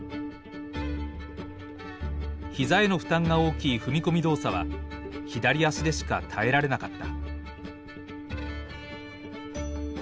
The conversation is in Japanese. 膝への負担が大きい踏み込み動作は左足でしか耐えられなかった。